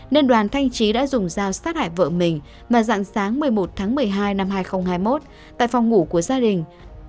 nên đoàn thanh trí đã dùng dao sát hại vợ mình mà dạng sáng một mươi một tháng một mươi hai năm hai nghìn hai mươi một tại phòng ngủ của gia đình